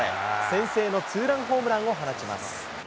先制のツーランホームランを放ちます。